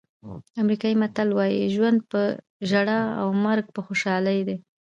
امریکایي متل وایي ژوند په ژړا او مرګ په خوشحالۍ دی.